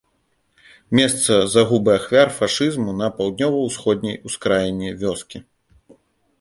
Месца загубы ахвяр фашызму на паўднёва-ўсходняй ускраіне вёскі.